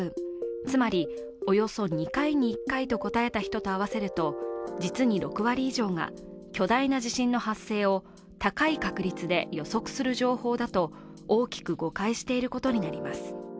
つまりおよそ２年に１回と答えた人と合わせると実に６割以上が巨大な地震の発生を高い確率で予測する情報だと大きく誤解していることになります。